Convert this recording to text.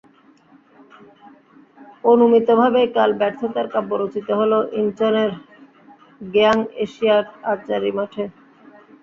অনুমিতভাবেই কাল ব্যর্থতার কাব্য রচিত হলো ইনচনের গ্যায়াং এশিয়াড আর্চারি মাঠে।